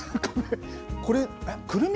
これ、くるみ？